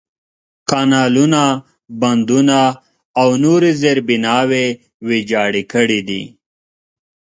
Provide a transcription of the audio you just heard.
کانالونه، بندونه، او نورې زېربناوې ویجاړې کړي دي.